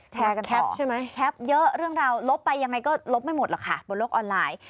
แชร์กันแทบใช่ไหมแฮปเยอะเรื่องราวลบไปยังไงก็ลบไม่หมดหรอกค่ะบนโลกออนไลน์